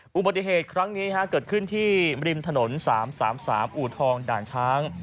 อุบัติเหตุครั้งนี้เกิดขึ้นที่ริมถนน๓๓อู่ทองด่านช้าง